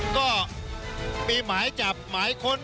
ก็มีหมายจับหมายค้น